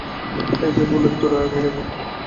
এ যে ফুলের তোড়া, আমি নেব।